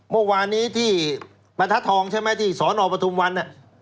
เมื่อวานนี้ที่บรรทธองที่สอนออกประธุมวัน